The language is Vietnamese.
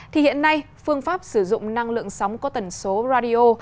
thì hiện nay phương pháp sử dụng năng lượng sóng có tần số radio